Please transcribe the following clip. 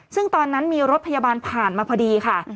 ซึ่งตอนนั้นมีรถพยาบาลผ่านมาพอดีค่ะ